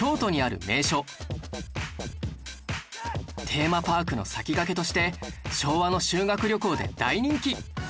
テーマパークの先駆けとして昭和の修学旅行で大人気！